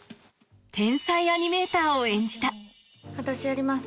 天才アニメーターを演じた私やります。